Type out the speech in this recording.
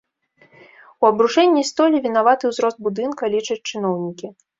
У абрушэнні столі вінаваты ўзрост будынка, лічаць чыноўнікі.